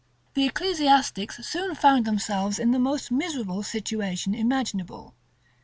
[] The ecclesiastics soon found themselves in the most miserable situation imaginable.